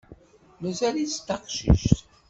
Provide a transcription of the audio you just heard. Mazal-itt d taqcict.